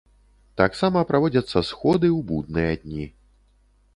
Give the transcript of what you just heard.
Таксама праводзяцца сходы ў будныя дні.